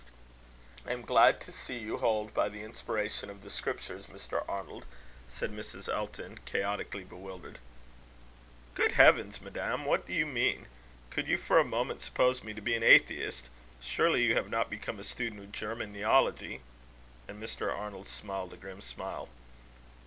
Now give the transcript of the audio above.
"I am glad to see you hold by the Inspiration of the Scriptures, Mr. Arnold," said Mrs. Elton, chaotically bewildered. "Good heavens! Madam, what do you mean? Could you for a moment suppose me to be an atheist? Surely you have not become a student of German Neology?" And Mr. Arnold smiled a grim smile.